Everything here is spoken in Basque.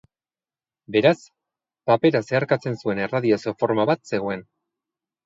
Beraz, papera zeharkatzen zuen erradiazio-forma bat zegoen.